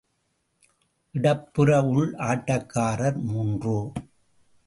இடப்புற உள் ஆட்டக்காரர் மூன்று.